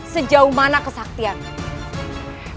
sejauh mana kesaktianmu